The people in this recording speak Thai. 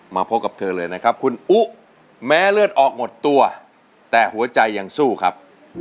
มาพบกับเธอเลยนะครับคุณอุ๊แม้เลือดออกหมดตัวแต่หัวใจยังสู้ครับ